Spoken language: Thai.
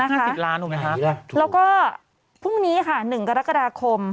ค่ะ๕๐ล้านอ่ะไหมคะแล้วก็พรุ่งนี้ค่ะ๑กรกฎาคม